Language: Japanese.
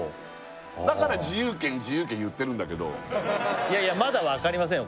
だから自由軒自由軒言ってるんだけどいやいやまだわかりませんよ